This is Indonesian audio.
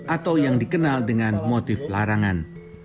atau yang dikenal dengan motif larangan